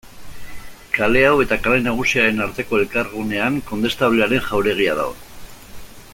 Kale hau eta Kale Nagusiaren arteko elkargunean Kondestablearen jauregia dago.